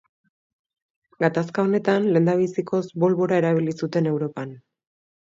Gatazka honetan lehendabizikoz bolbora erabili zuten Europan.